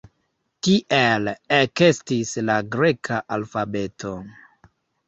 Tiel ekestis la greka alfabeto.